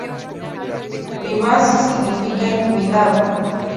Privacy significa "intimidad".